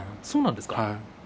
そうなんですか？